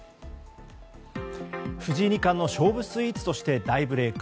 藤井二冠の勝負スイーツとして大ブレーク。